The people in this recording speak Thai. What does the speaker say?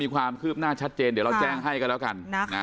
ความคืบหน้าชัดเจนเดี๋ยวเราแจ้งให้กันแล้วกัน